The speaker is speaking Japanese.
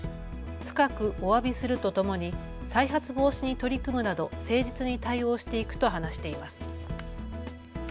深くおわびするとともに再発防止に取り組むなど誠実に対応していくと話しています。